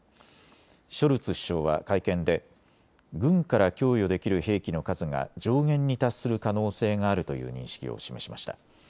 ショルツ首相は会見で軍から供与できる兵器の数が上限に達する可能性があるという認識を示しました。